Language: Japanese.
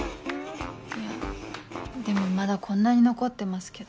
いやでもまだこんなに残ってますけど。